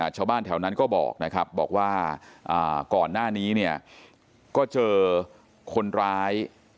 ชาวบ้านแถวนั้นก็บอกว่าก่อนหน้านี้ก็เจอคนร้าย